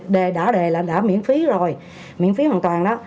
để đả đề là đã miễn phí rồi miễn phí hoàn toàn đó